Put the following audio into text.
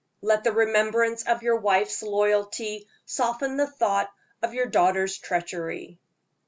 Let the remembrance of your wife's loyalty soften the thought of your daughter's treachery."